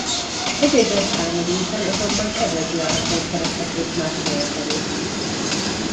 Egy-egy nagy háború után azonban kedvező árakon szerezhetők más helyeken is.